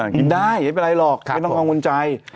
กินได้ไม่เป็นไรหรอกไม่ต้องกังวลใจ